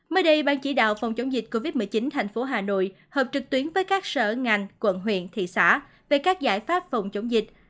mới đây ban chỉ đạo phòng chống dịch covid một mươi chín thành phố hà nội hợp trực tuyến với các sở ngành quận huyện thị xã về các giải pháp phòng chống dịch